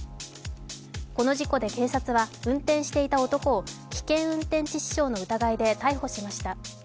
この事故で警察は運転していた男を危険運転致死傷の疑いで逮捕しました。